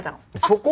そこ！？